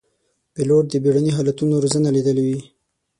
پیلوټ د بېړني حالتونو روزنه لیدلې وي.